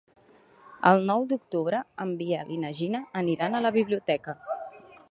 El nou d'octubre en Biel i na Gina aniran a la biblioteca.